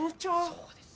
そうです。